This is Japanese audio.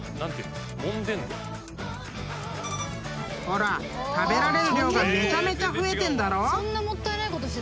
［ほら食べられる量がめちゃめちゃ増えてんだろ］